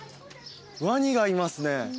ワニがいますね